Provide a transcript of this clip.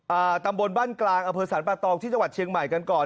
อ่าตำบลบ้านกลางอสปททเชียงใหม่กันก่อน